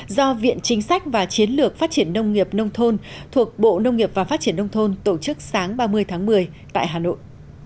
do viện chính sách và chiến lược phát triển nông nghiệp nông thôn thuộc bộ nông nghiệp và phát triển nông thôn tổ chức sáng ba mươi tháng một mươi tại hà nội